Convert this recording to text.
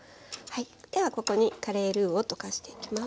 ではここにカレールーを溶かしていきます。